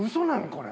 これ。